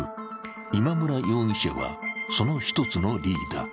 今村容疑者は、その１つのリーダー。